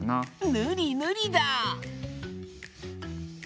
ぬりぬりだ！